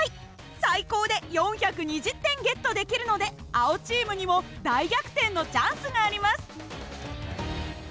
最高で４２０点ゲットできるので青チームにも大逆転のチャンスがあります。